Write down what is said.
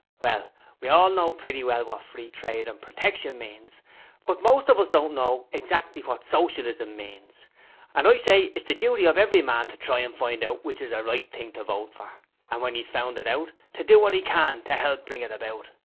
Well, we all know pretty well wot Free Trade and Protection means, but most of us don't know exactly what Socialism means; and I say as it's the dooty of every man to try and find out which is the right thing to vote for, and when 'e's found it out, to do wot 'e can to 'elp to bring it about.